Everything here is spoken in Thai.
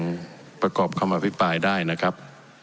ยังประกอบคำอภิปรายได้นะครับ